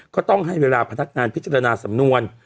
ก็ต้องให้เวลาพนักงานพิจารณาสำนวน